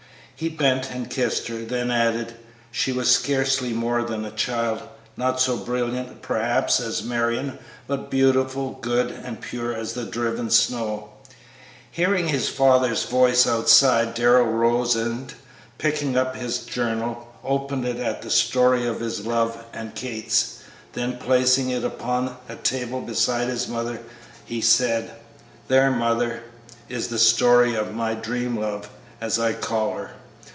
He bent and kissed her, then added: "She was scarcely more than a child; not so brilliant, perhaps, as Marion, but beautiful, good, and pure as the driven snow." Hearing his father's voice outside, Darrell rose and, picking up his journal, opened it at the story of his love and Kate's. Then placing it open upon a table beside his mother, he said, "There, mother, is the story of my Dream Love, as I call her.